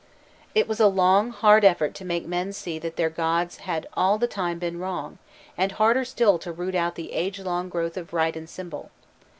It was a long, hard effort to make men see that their gods had all the time been wrong, and harder still to root out the age long growth of rite and symbol.